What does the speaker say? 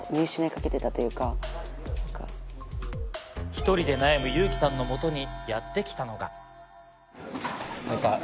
１人で悩むユウキさんの元にやって来たのが。